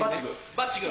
バッチグ。